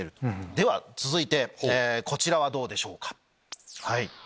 では続いてこちらはどうでしょうか。